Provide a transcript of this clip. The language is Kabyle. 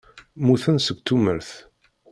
Mmuten seg tumert.